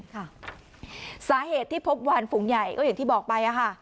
ค่ะสาเหตุที่พบวานฝูงใหญ่ก็อย่างที่บอกไปอะค่ะ